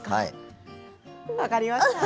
分かりました。